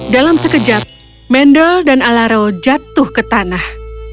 dalam sekejap mendel dan alaro jatuh ke tanah